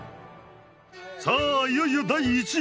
さあいよいよ第１位！